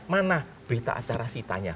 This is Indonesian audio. mana berita acara si tanya